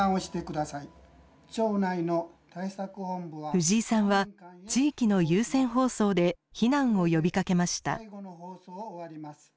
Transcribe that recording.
藤井さんは地域の有線放送で避難を呼びかけました。